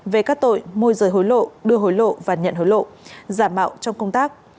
về các tội môi rời hối lộ đưa hối lộ và nhận hối lộ giảm bạo trong công tác